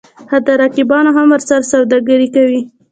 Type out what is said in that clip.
حتی رقیبان هم ورسره سوداګري کوي.